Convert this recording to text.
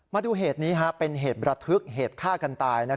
มาดูเหตุนี้เป็นเหตุประทึกเหตุฆ่ากันตาย